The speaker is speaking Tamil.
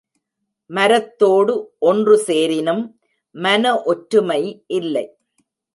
மரத்தோடு ஒன்றுசேரினும் மன ஒற்றுமை இல்லை.